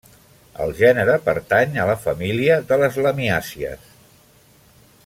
El gènere pertany a la família de les Lamiàcies.